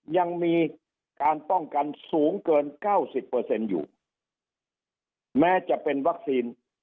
ยังมีการป้องกันสูงเกินเก้าสิบเปอร์เซ็นต์อยู่แม้จะเป็นวัคซีน